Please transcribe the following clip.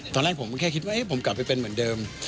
ตอนแรกผมก็แค่คิดว่าผมกลับไปเป็นเหมือนเดิม